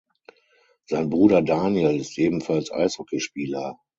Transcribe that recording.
Sein Bruder Daniel ist ebenfalls Eishockeyspieler.